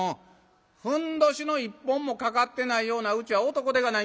ふんどしの一本も掛かってないようなうちは男手がない。